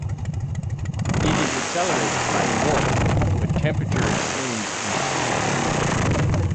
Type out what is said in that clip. It is accelerated by warmth, but temperature extremes impede it.